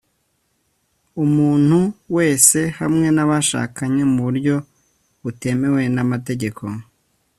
umuntu wese, hamwe n’abashakanye mu buryo butemewe n’amategeko,